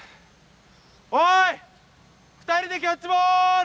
おい２人でキャッチボール！